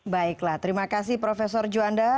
baiklah terima kasih prof juanda